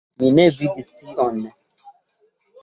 Mi ne vidis tion.